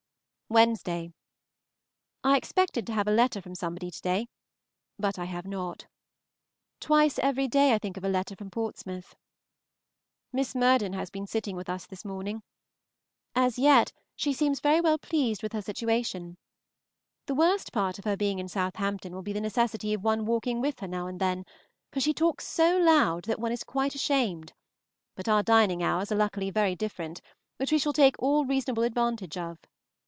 Wednesday. I expected to have a letter from somebody to day, but I have not. Twice every day I think of a letter from Portsmouth. Miss Murden has been sitting with us this morning. As yet she seems very well pleased with her situation. The worst part of her being in Southampton will be the necessity of one walking with her now and then, for she talks so loud that one is quite ashamed; but our dining hours are luckily very different, which we shall take all reasonable advantage of.